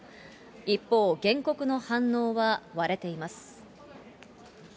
一方、原告の反応は割れています。